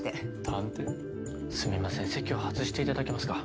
すみません席を外していただけますか？